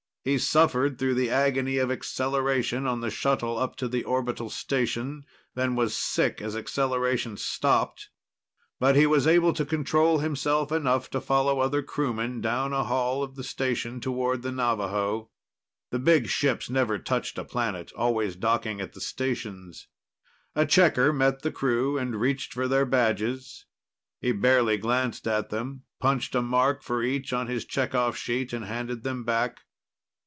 He suffered through the agony of acceleration on the shuttle up to the orbital station, then was sick as acceleration stopped. But he was able to control himself enough to follow other crewmen down a hall of the station toward the Navaho. The big ships never touched a planet, always docking at the stations. A checker met the crew and reached for their badges. He barely glanced at them, punched a mark for each on his checkoff sheet, and handed them back.